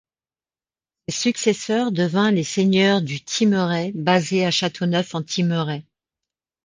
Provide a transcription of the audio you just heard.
Ses successeurs devinrent les seigneurs du Thymerais basés à Châteauneuf-en-Thymerais.